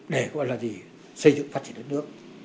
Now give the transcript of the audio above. để xây dựng phát triển đất nước